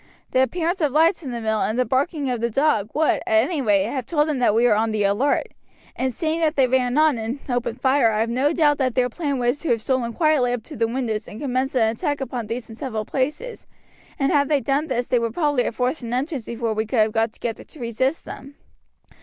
The appearance of lights in the mill and the barking of the dog, would, at any rate, have told them that we were on the alert, and seeing that they ran on and opened fire I have no doubt that their plan was to have stolen quietly up to the windows and commenced an attack upon these in several places, and had they done this they would probably have forced an entrance before we could have got together to resist them.